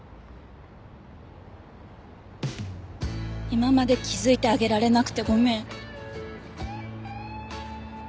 今まで気づいてあげられなくてごめん。